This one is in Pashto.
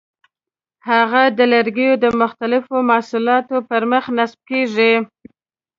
هغه د لرګیو د مختلفو محصولاتو پر مخ نصب کېږي.